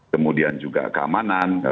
kemudian juga keamanan